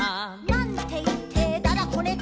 「なんていってだだこねた？」